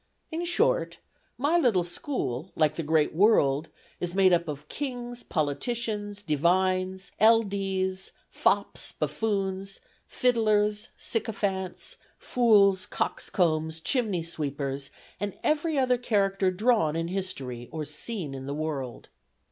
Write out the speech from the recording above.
In short, my little school, like the great world, is made up of kings, politicians, divines, L.D.'s, fops, buffoons, fiddlers, sycophants, fools, coxcombs, chimney sweepers, and every other character drawn in history, or seen in the world.